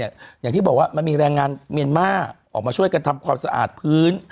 อย่างที่บอกว่ามันมีแรงงานเมียนมาออกมาช่วยกันทำความสะอาดพื้น